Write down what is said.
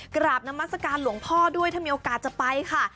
กราบนามัศกาลหลวงพ่อด้วยถ้ามีโอกาสจะไปค่ะ